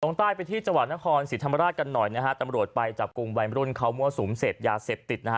ใต้ไปที่จังหวัดนครศรีธรรมราชกันหน่อยนะฮะตำรวจไปจับกลุ่มวัยรุ่นเขามั่วสุมเสพยาเสพติดนะฮะ